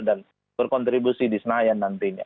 dan berkontribusi di senayan nantinya